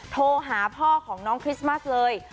โทรหาพ่อของน้องคริสต์มัสเลย